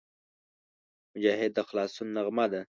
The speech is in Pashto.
مجاهد د خلاصون نغمه ده.